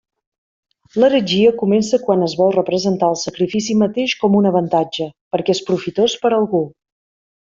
L'heretgia comença quan es vol representar el sacrifici mateix com un avantatge, perquè és profitós per a algú.